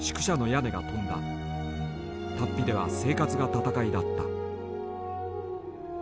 竜飛では生活が闘いだった。